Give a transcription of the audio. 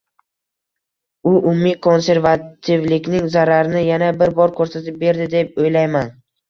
U umumiy konservativlikning zararini yana bir bor koʻrsatib berdi deb oʻylayman.